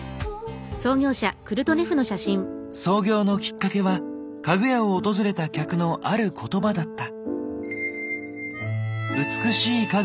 創業のきっかけは家具屋を訪れた客のある言葉だった。